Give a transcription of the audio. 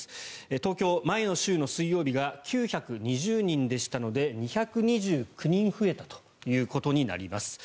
東京、前の週の水曜日が９２０人でしたので２２９人増えたということになります。